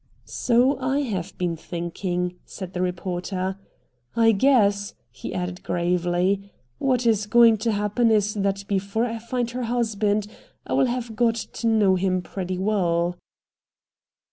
"So I have been thinking," said the reporter. "I guess," he added gravely, "what is going to happen is that before I find her husband I will have got to know him pretty well."